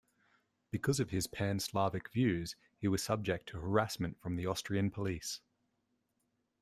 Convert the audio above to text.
Because of his Pan-Slavic views, he was subject to harassment from the Austrian police.